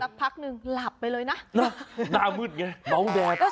พักหนึ่งหลับไปเลยนะหน้ามืดไงเมาแดด